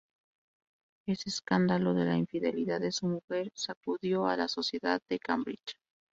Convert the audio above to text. El escándalo de la infidelidad de su mujer sacudió a la sociedad de Cambridge.